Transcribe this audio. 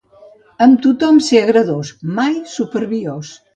Amb tothom ser agradós, mai superbiós.